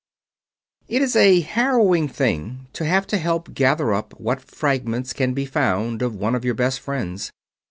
It is a harrowing thing to have to help gather up what fragments can be found of one of your best friends.